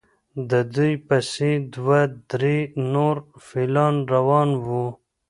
د دوی پسې دوه درې نور فیلان روان وو.